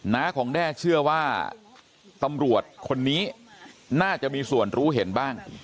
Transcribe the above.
้าของแด้เชื่อว่าตำรวจคนนี้น่าจะมีส่วนรู้เห็นบ้าง